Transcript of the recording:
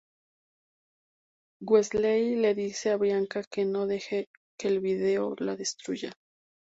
Wesley le dice a Bianca que no deje que el video la destruya.